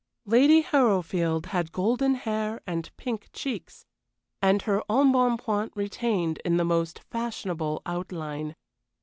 Lady Harrowfield had golden hair and pink cheeks, and her embonpoint retained in the most fashionable outline.